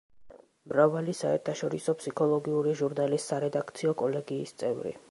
მრავალი საერთაშორისო ფსიქოლოგიური ჟურნალის სარედაქციო კოლეგიის წევრი.